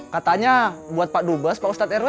katanya buat pak dubos pak ustadz rw